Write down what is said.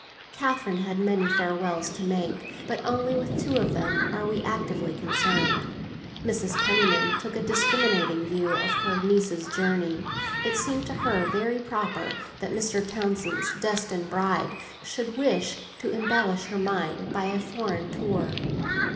Catherine had many farewells to make, but with only two of them are we actively concerned. Mrs. Penniman took a discriminating view of her niece's journey; it seemed to her very proper that Mr. Townsend's destined bride should wish to embellish her mind by a foreign tour.